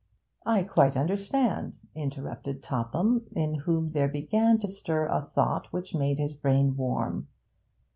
'I quite understand,' interrupted Topham, in whom there began to stir a thought which made his brain warm.